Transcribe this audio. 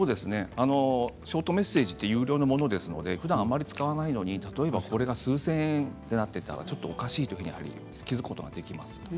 ショートメッセージって有料ですのでふだんあまり使わないのに数千円になっていたらおかしいと気付くことができます。